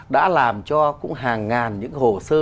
đã làm cho cũng hàng ngàn những hồ sơ